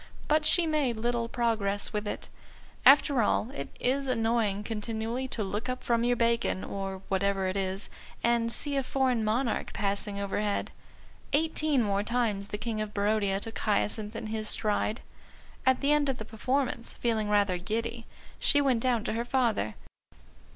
But she made little progress with it. After all, it is annoying continually to look up from your bacon, or whatever it is, and see a foreign monarch passing overhead. Eighteen more times the King of Barodia took Hyacinth in his stride. At the end of the performance, feeling rather giddy, she went down to her father.